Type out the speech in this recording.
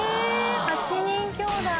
８人きょうだい。